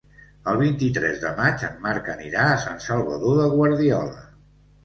El vint-i-tres de maig en Marc anirà a Sant Salvador de Guardiola.